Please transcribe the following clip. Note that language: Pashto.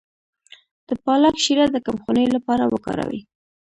د پالک شیره د کمخونۍ لپاره وکاروئ